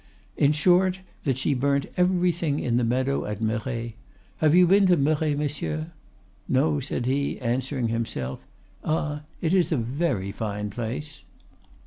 —In short, that she burnt everything in the meadow at Merret. Have you been to Merret, monsieur?—No,' said he, answering himself, 'Ah, it is a very fine place.